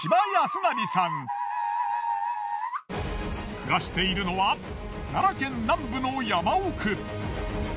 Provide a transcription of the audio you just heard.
暮らしているのは奈良県南部の山奥。